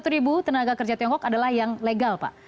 satu ribu tenaga kerja tiongkok adalah yang legal pak